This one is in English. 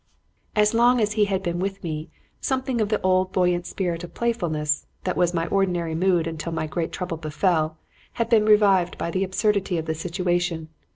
"As long as he had been with me, something of the old buoyant spirit of playfulness that was my ordinary mood until my great trouble befell had been revived by the absurdity of the situation.